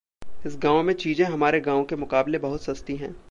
इस गाँव में चीज़े हमारे गाँव के मुकाबले बहुत सस्ती हैं।